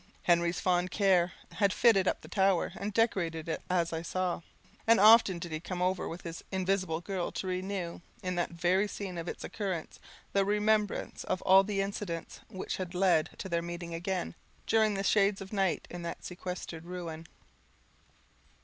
Henry's fond care had fitted up the tower, and decorated it as I saw; and often did he come over, with his "Invisible Girl," to renew, in the very scene of its occurrence, the remembrance of all the incidents which had led to their meeting again, during the shades of night, in that sequestered ruin.